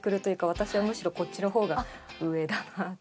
私はむしろこっちの方が上だな。